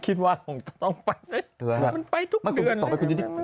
คิดว่าต้องไปมันไปทุกเมือนเลย